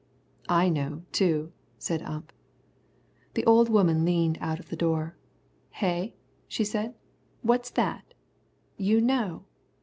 "I know, too," said Ump. The old woman leaned out of the door. "Hey?" she said; "what's that? You know?